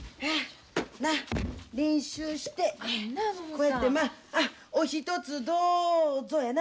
なあ練習してこうやってまあ「おひとつどうぞ」やな。